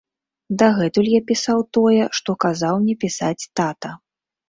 Дагэтуль я пісаў тое, што казаў мне пісаць тата.